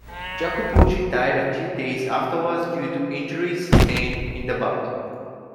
Jacopucci died a few days afterwards, due to injuries sustained in the bout.